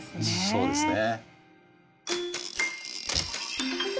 そうですね。